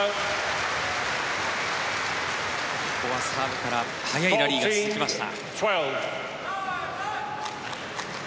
ここはサーブから速いラリーが続きました。